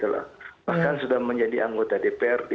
bahkan sudah menjadi anggota dprd